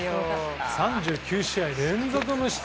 ３９試合連続無失点。